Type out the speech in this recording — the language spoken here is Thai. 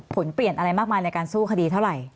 ผลเปลี่ยนอะไรมากมายในการสู้คดีเท่าไหร่